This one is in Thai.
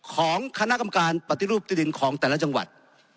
ของคณะกรรมการปฏิรูปที่ดินของแต่ละจังหวัด